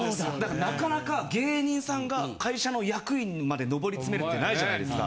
なかなか芸人さんが会社の役員にまで上り詰めるってないじゃないですか。